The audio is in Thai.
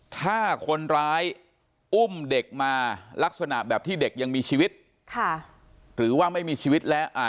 ถ้าคนร้ายอุ้มเด็กมาลักษณะแบบที่เด็กยังมีชีวิตค่ะหรือว่าไม่มีชีวิตและอ่า